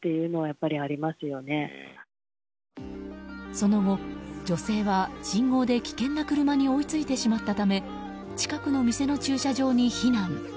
その後、女性は信号で危険な車に追いついてしまったため近くの店の駐車場に避難。